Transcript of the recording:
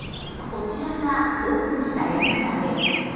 こちらがオープンした映画館です。